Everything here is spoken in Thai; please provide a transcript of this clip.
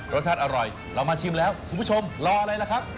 รสชาติอร่อยเรามาชิมแล้วคุณผู้ชมรออะไรล่ะครับ